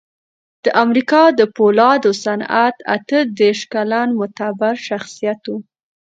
د امریکا د پولادو صنعت اته دېرش کلن معتبر شخصیت و